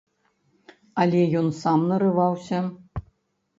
Але ён сам нарываўся!